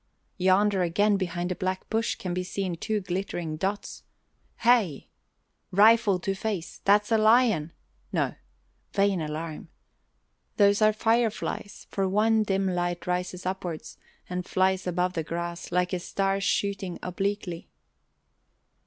Yonder again behind a black bush can be seen two glittering dots. Heigh! Rifle to face! That is a lion! No! Vain alarm! Those are fireflies for one dim light rises upwards and flies above the grass like a star shooting obliquely.